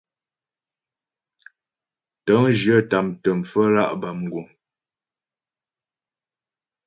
Tə̂ŋjyə tâmtə pfəmlǎ' bâ mguŋ.